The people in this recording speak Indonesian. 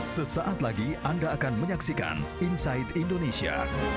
sesaat lagi anda akan menyaksikan inside indonesia